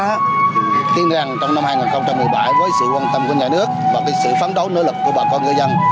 tuy nhiên rằng trong năm hai nghìn một mươi bảy với sự quan tâm của nhà nước và cái sự phán đấu nỗ lực của bà con ngư dân